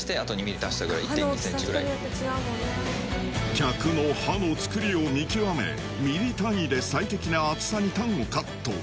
客の歯の作りを見極めミリ単位で最適な厚さにタンをカット。